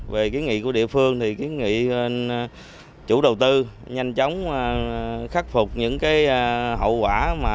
về kiến nghị của địa phương thì kiến nghị chủ đầu tư nhanh chóng khắc phục những hậu quả